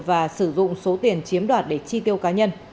và sử dụng số tiền chiếm đoạt để chi tiêu cá nhân